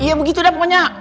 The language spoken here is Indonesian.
iya begitu dah pokoknya